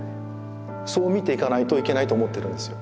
そう見ていかないといけないと思ってるんですよ。